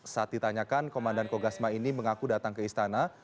saat ditanyakan komandan kogasma ini mengaku datang ke istana